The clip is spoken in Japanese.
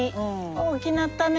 大きなったね。